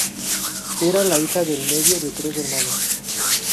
Era la hija del medio de tres hermanos.